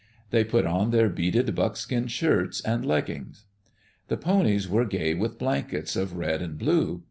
They put on their beaded buckskin shirts and leggins. The ponies were gay with blankets of red and blue.